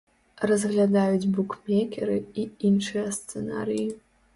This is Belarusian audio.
Разглядаюць букмекеры і іншыя сцэнарыі.